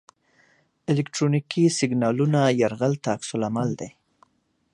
الکترونیکي سیګنالونو یرغل ته عکس العمل دی.